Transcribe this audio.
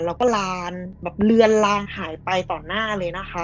แล้วก็หลานหายไปต่อหน้าเลยนะคะ